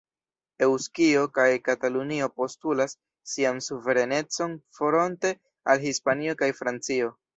Eŭskio kaj Katalunio postulas sian suverenecon fronte al Hispanio kaj Francio.